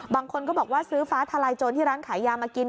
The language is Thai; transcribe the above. บางคนก็บอกว่าซื้อฟ้าทลายโจรที่ร้านขายยามากิน